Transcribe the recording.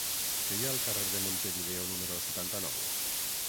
Què hi ha al carrer de Montevideo número setanta-nou?